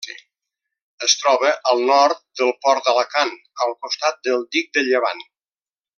Es troba al nord del port d'Alacant, al costat del dic de Llevant.